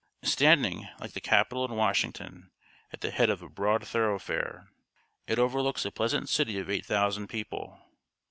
Standing, like the Capitol in Washington, at the head of a broad thoroughfare, it overlooks a pleasant city of eight thousand people.